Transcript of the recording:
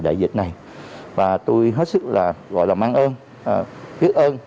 đại dịch này và tôi hết sức là gọi là ước ơn và cảm ơn tất cả các anh em đã vì cộng đồng